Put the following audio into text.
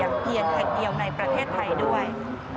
เพียงแห่งเดียวในประเทศไทยด้วย